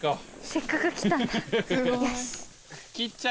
せっかく来たんだよし。